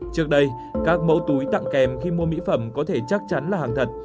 trước đây các mẫu túi tặng kèm khi mua mỹ phẩm có thể chắc chắn là hàng thật